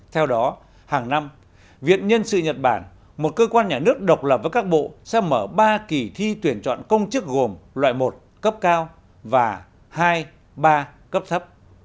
theo đó hàng năm viện nhân sự nhật bản một cơ quan nhà nước độc lập với các bộ sẽ mở ba kỳ thi tuyển chọn công chức gồm loại một và hai